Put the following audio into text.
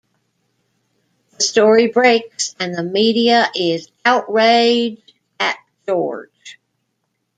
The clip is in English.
The story breaks and the media is outrage at George.